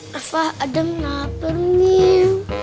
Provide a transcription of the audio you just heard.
rafa adam lapar miru